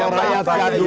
kalau rakyat gaduh